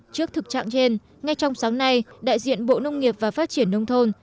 trước thực trạng trên ngay trong sáng nay đại diện bộ nông nghiệp và phát triển nông thôn